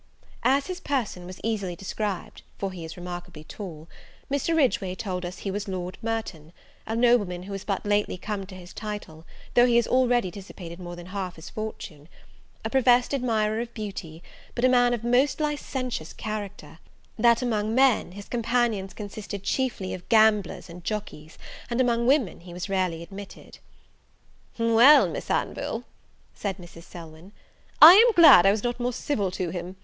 As his person was easily described, for he is remarkably tall, Mr. Ridgeway told us he was Lord Merton, a nobleman who is but lately come to his title, though he has already dissipated more than half his fortune; a professed admirer of beauty, but a man of most licentious character; that among men, his companions consisted chiefly of gamblers and jockeys, and among women he was rarely admitted. "Well, Miss Anville," said Mrs. Selwyn, "I am glad I was not more civil to him.